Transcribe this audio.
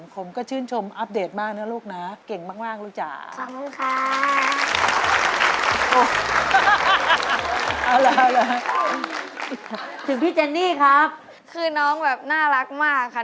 คือน้องแบบน่ารักมากค่ะ